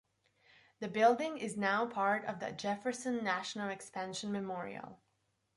The building is now part of the Jefferson National Expansion Memorial.